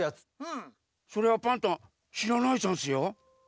それはパンタンしらないざんすよ。